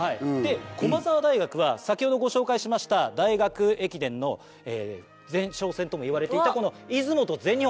駒澤大学は先ほどご紹介しました大学駅伝の前哨戦ともいわれていたこの「出雲」と「全日本」